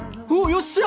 よっしゃ！